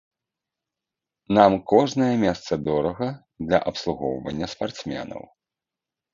Нам кожнае месца дорага для абслугоўвання спартсменаў.